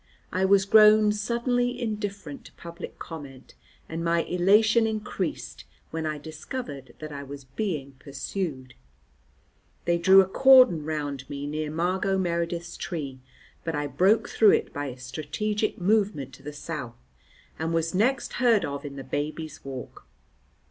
I was grown suddenly indifferent to public comment, and my elation increased when I discovered that I was being pursued. They drew a cordon round me near Margot Meredith's tree, but I broke through it by a strategic movement to the south, and was next heard of in the Baby's Walk.